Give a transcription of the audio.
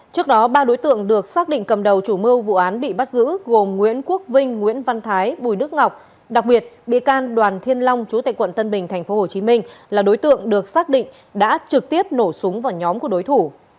trước đó ba đối tượng được xác định cầm đầu chủ mưu vụ án bị bắt giữ gồm nguyễn quốc vinh nguyễn văn thái bùi đức ngọc đặc biệt bị can đoàn thiên long chú tệ quận tân bình tp hcm là đối tượng được xác định đã trực tiếp nổ súng vào nhóm của đối thủ